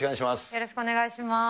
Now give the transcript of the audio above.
よろしくお願いします。